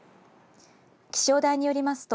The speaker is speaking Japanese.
気象台によりますと